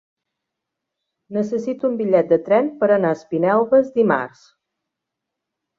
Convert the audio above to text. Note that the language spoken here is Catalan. Necessito un bitllet de tren per anar a Espinelves dimarts.